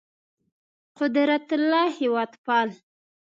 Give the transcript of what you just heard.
قدرت الله هېوادپال